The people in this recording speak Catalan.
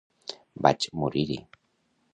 Vaig morir-hi.